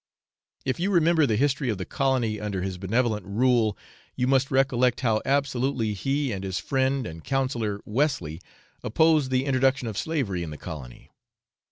If you remember the history of the colony under his benevolent rule, you must recollect how absolutely he and his friend and counsellor, Wesley, opposed the introduction of slavery in the colony.